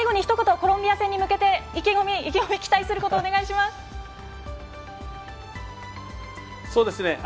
コロンビア戦に向けて意気込み期待することお願いします。